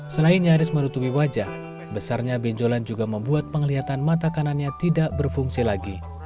selain nyaris menutupi wajah besarnya benjolan juga membuat penglihatan mata kanannya tidak berfungsi lagi